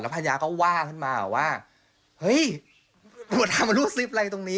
แล้วภรรยาก็ว่าขึ้นมาว่าเอ้ยปวดทางมันรูดซิฟอะไรตรงนี้